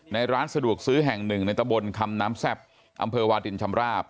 ร้านสะดวกซื้อแห่งหนึ่งในตะบนคำน้ำแซ่บอำเภอวาดินชำราบ